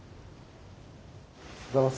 おはようございます。